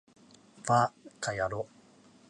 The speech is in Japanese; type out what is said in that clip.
ヴぁかやろう